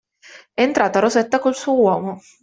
È entrata Rosetta col suo uomo.